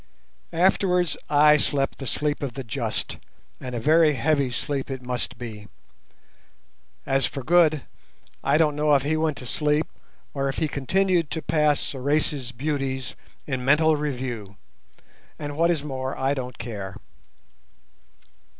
Afterwards I slept the sleep of the just, and a very heavy sleep it must be. As for Good, I don't know if he went to sleep or if he continued to pass Sorais' beauties in mental review, and, what is more, I don't care.